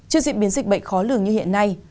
trước diễn biến dịch bệnh khó lường như hiện nay